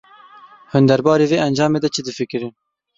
Hûn derbarê vê encamê de çi difikirin?